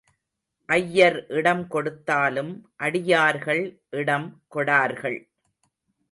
ஐயர் இடம் கொடுத்தாலும் அடியார்கள் இடம் கொடார்கள்.